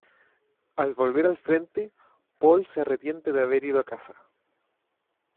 Al volver al frente, Paul se arrepiente de haber ido a casa.